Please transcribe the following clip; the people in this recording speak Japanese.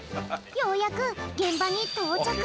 ようやくげんばにとうちゃく！